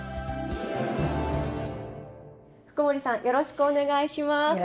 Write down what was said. よろしくお願いします。